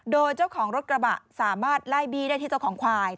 โดยเจ้าของรถกระบะสามารถไล่บี้ได้ที่เจ้าของควาย